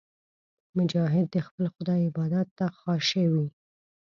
مجاهد د خپل خدای عبادت ته خاشع وي.